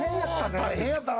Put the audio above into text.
大変やったな。